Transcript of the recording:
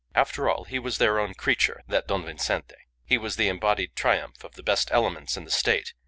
After all he was their own creature that Don Vincente. He was the embodied triumph of the best elements in the State.